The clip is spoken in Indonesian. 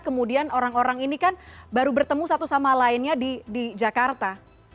kemudian orang orang ini kan baru bertemu satu sama lainnya di jakarta